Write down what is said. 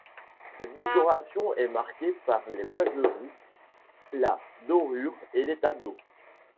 Cette décoration est marquée par les boiseries, la dorure et les tableaux.